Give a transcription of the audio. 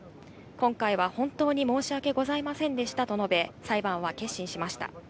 今回は本当に申し訳ございませんでしたと述べ、裁判は結審しました。